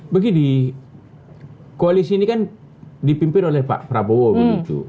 begini koalisi ini kan dipimpin oleh pak prabowo begitu